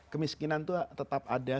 kemiskinan itu tetap ada